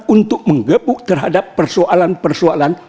untuk mengebuk terhadap persoalan persoalan